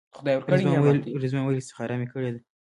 رضوان وویل استخاره مې کړې ده.